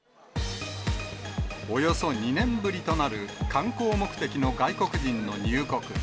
およそ２年ぶりとなる、観光目的の外国人の入国。